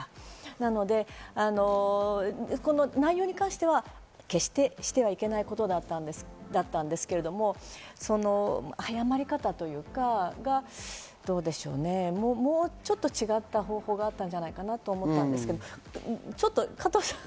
なので、内容に関しては決して、してはいけないことだったんですけど、謝り方がどうでしょうか、もうちょっと違った方法があったんじゃないかなと思います。